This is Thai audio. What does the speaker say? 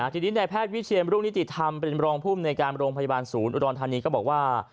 ทีนี้ในแพทย์วิเชียนรุ่งนิติธรรมเป็นรองภูมิในการโรงพยาบาลศูนย์อุดรธานีก็บอกว่า